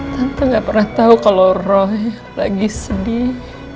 tante gak pernah tau kalau roy lagi sedih